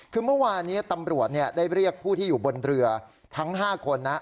คือเมื่อวานี้ตำรวจได้เรียกผู้ที่อยู่บนเรือทั้ง๕คนนะ